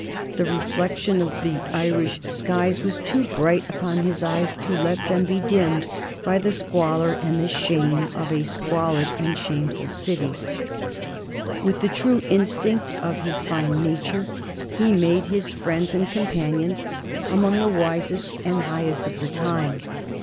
The reflection of the Irish skies was too bright upon his eyes to let them be dimmed by the squalor and the shame of a squalid and shameful city. [Sidenote: 1774 The friends of Goldsmith] With the true instinct of his fine nature he made his friends and companions among the wisest and highest of his time.